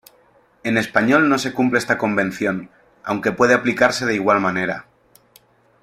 En español no se cumple esta convención, aunque puede aplicarse de igual manera.